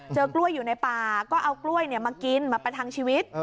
กล้วยอยู่ในป่าก็เอากล้วยมากินมาประทังชีวิต